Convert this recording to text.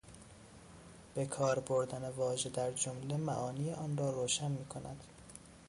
به کار بردن واژه در جمله معانی آن را روشن میکند.